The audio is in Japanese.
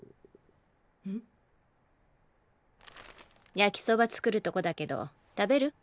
焼きそば作るとこだけど食べる？